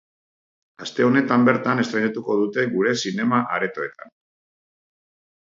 Aste honetan bertan estreinatuko dute gure zinema-aretoetan.